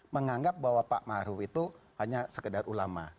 menganggap bahwa pak maruf itu hanya sekedar ulama